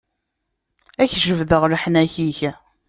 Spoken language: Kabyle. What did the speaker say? Ad ak-jebdeɣ leḥnak-ik.